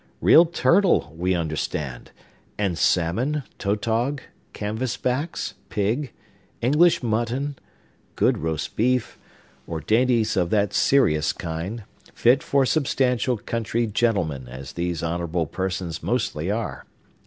Real turtle, we understand, and salmon, tautog, canvas backs, pig, English mutton, good roast beef, or dainties of that serious kind, fit for substantial country gentlemen, as these honorable persons mostly are.